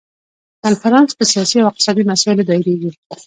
کنفرانس په سیاسي او اقتصادي مسایلو دایریږي.